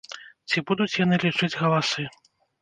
Ці будуць яны лічыць галасы?